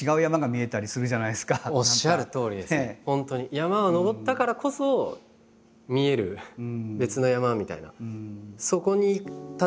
山を登ったからこそ見える別の山みたいな。